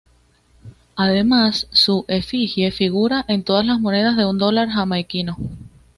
Además, su efigie figura en todas las monedas de un dólar jamaiquino.